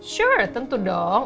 sure tentu dong